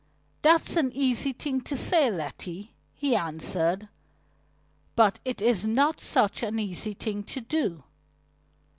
"That's an easy thing to say, Letty," he answered. "But it is not such an easy thing to do.